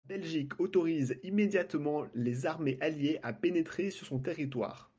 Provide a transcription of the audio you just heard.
La Belgique autorise immédiatement les armées alliés à pénétrer sur son territoire.